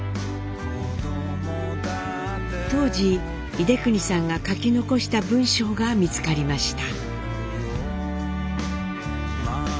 当時英邦さんが書き残した文章が見つかりました。